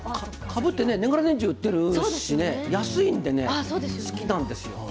かぶは年がら年中売っているし安いから好きなんですよ。